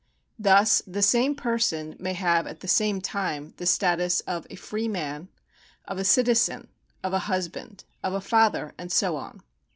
Thus the same person may have at the same time the stal us of a free man, of a citizen, of a husband, of a father, and so on.